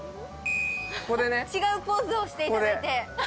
違うポーズをしていただいて。